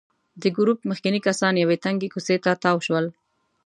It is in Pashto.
د ګروپ مخکېني کسان یوې تنګې کوڅې ته تاو شول.